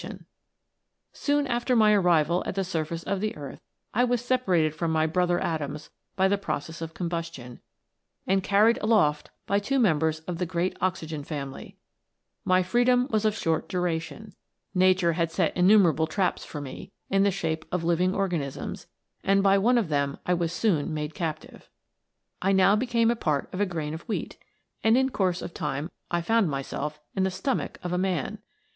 * Coal. 62 THE LIFE OF AN ATOM. " Soon after my arrival at the surface of the earth, I was separated from my brother atoms by the process of combustion, and carried aloft by two members of the great oxygen family. My freedom was of short duration. Nature had set innumer able traps for me, in the shape of living organisms, and by one of them I was soon made captive. I now became a part of a grain of wheat, and in course of time I found myself in the stomach of a man.